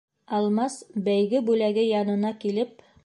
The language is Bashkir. Алмас бәйге бүләге янына килеп